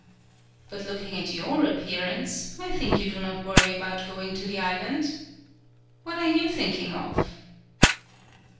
But looking at your ap pearance, I think you do not worry about going to the island. What are you thinking of?"